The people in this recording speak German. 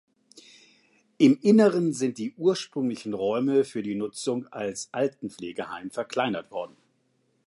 Im Inneren sind die ursprünglichen Räume für die Nutzung als Altenpflegeheim verkleinert worden.